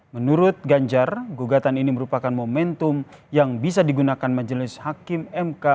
menurut ganjar gugatan ini merupakan momentum yang bisa digunakan majelis hakim mk